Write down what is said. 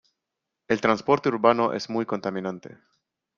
El transporte urbano es muy contaminante.